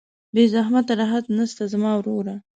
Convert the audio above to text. بې زحمته راحت نسته زما وروره